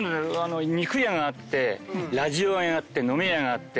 肉屋があってラジオ屋があって飲み屋があって。